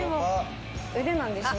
腕なんですね。